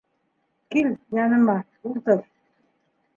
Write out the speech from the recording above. Кил яныма, ултыр.